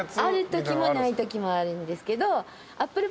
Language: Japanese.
あるときもないときもあるんですけど。